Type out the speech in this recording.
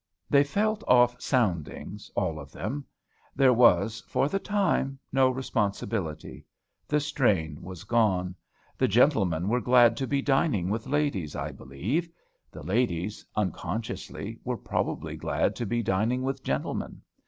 They felt off soundings, all of them. There was, for the time, no responsibility. The strain was gone. The gentlemen were glad to be dining with ladies, I believe: the ladies, unconsciously, were probably glad to be dining with gentlemen.